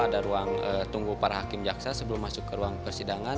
ada ruang tunggu para hakim jaksa sebelum masuk ke ruang persidangan